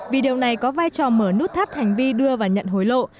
vì điều này có vai trò mở nút thắt hành vi đưa và nhận hối lộ